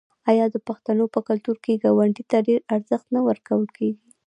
آیا د پښتنو په کلتور کې ګاونډي ته ډیر ارزښت نه ورکول کیږي؟